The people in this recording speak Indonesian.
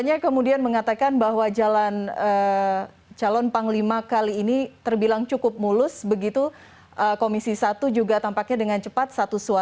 jenderal andika perkasa